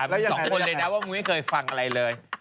มี๒คนเลยนะว่ามึงไม่เคยฟังอะไรเลย